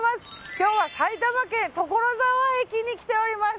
今日は埼玉県所沢駅に来ております。